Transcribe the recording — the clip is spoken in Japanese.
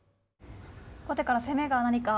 後手から攻めが何か。